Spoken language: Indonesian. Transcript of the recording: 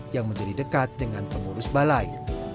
yang menjadi dekat dengan pengurus balai